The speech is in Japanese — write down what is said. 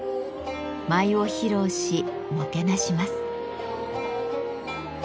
舞を披露しもてなします。